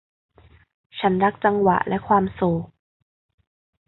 ฉันรักจังหวะและความโศก